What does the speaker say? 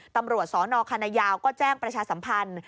ตำรวจสนคณะยาวก็แจ้งประชาสัมพันธ์